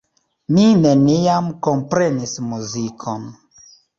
Mi neniam komprenis muzikon.